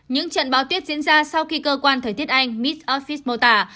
những trận báo tuyết diễn ra sau khi cơ quan thời tiết anh miss offiz mô tả